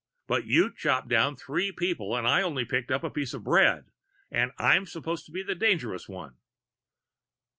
But you chopped down three people and I only picked up a piece of bread! And I'm supposed to be the dangerous one!"